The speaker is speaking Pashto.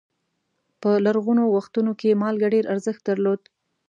په لرغونو وختونو کې مالګه ډېر ارزښت درلود.